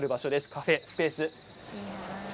カフェスペース。